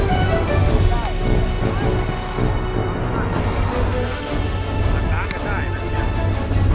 อันนี้ก็คือพูดมาแล้วโปรดนะครับวิทยาลัยพูดหมดแล้วนะครับ